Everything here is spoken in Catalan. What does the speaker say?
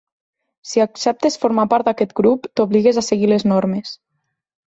Si acceptes formar part d'aquest grup, t'obligues a seguir les normes.